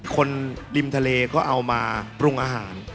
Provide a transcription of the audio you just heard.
คนริมทะเลก็เอามาปรุงอาหาร